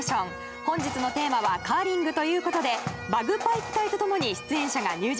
本日のテーマはカーリングという事でバグパイプ隊とともに出演者が入場してきます。